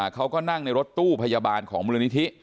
เขาก็นั่งในรถตู้พยาบาลของมูลนิธิ